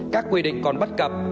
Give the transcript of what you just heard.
các quy định còn bắt cặp